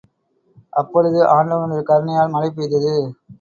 அப்பொழுது ஆண்டவனுடைய கருணையால் மழை பெய்தது.